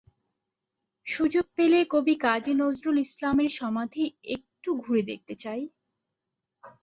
সুযোগ পেলে কবি কাজী নজরুল ইসলামের সমাধি একটু ঘুরে দেখতে চাই।